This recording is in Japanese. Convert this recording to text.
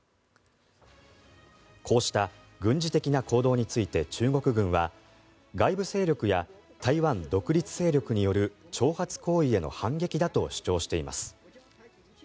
こうした軍事的な行動について中国軍は外部勢力や台湾独立勢力による挑発行為への反撃だと主張しています。